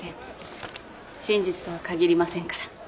真実とは限りませんから。